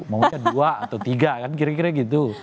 mau aja dua atau tiga kira kira gitu